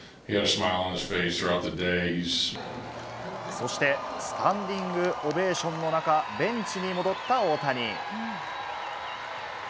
そしてスタンディングオベーションの中、ベンチに戻った大谷。